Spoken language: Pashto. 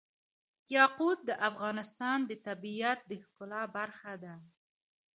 یاقوت د افغانستان د طبیعت د ښکلا برخه ده.